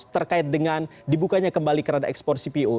terkait dengan dibukanya kembali keran ekspor cpo